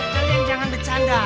kalian jangan bercanda